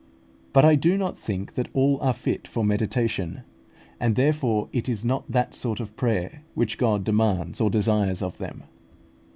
But I do not think that all are fit for meditation; and, therefore, it is not that sort of prayer which God demands or desires of them.